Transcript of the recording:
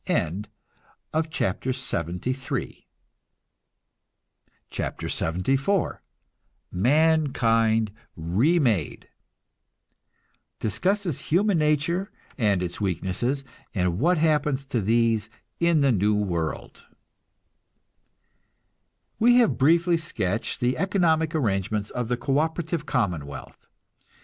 CHAPTER LXXIV MANKIND REMADE (Discusses human nature and its weaknesses, and what happens to these in the new world.) We have briefly sketched the economic arrangements of the co operative commonwealth.